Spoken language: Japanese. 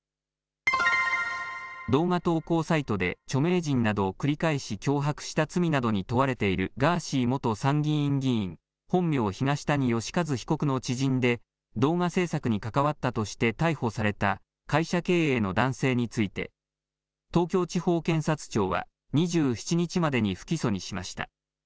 動画投稿サイトで著名人などを繰り返し脅迫した罪などに問われているガーシー元参議院議員本名、東谷義和被告の知人で動画制作に関わったとして逮捕された会社経営の男性について東京地方検察庁は２７日までに不起訴にしました。